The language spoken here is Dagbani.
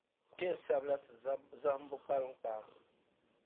Ti yɛn sabi la ti zahimbu kpalinkpaa.